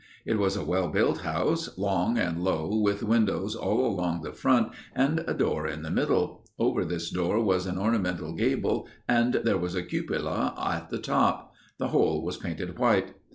It was a well built house, long and low, with windows all along the front and a door in the middle. Over this door was an ornamental gable and there was a cupola at the top. The whole was painted white.